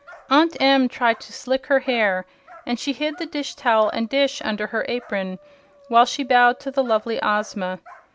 Aunt Em tried to "slick" her hair, and she hid the dish towel and dish under her apron while she bowed to the lovely Ozma.